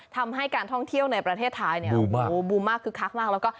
ทำให้การท่องเที่ยวในประเทศไทยบูมักคือคักมาก